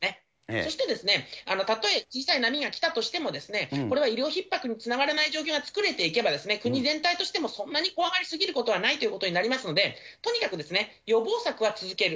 そして、たとえ小さい波が来たとしても、これは医療ひっ迫につながらない状況を作れれば、そんなに怖がり過ぎることはないと思いますので、とにかく予防策は続ける。